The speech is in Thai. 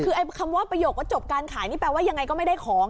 คือไอ้คำว่าประโยคว่าจบการขายนี่แปลว่ายังไงก็ไม่ได้ของ